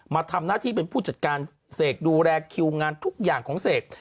มาทำหน้าที่เป็นผู้จัดการเสกดูแลคิวงานทุกอย่างของเสก